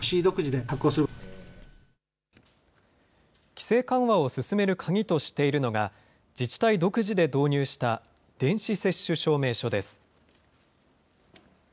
規制緩和を進める鍵としているのが、自治体独自で導入した電子接種証明書です。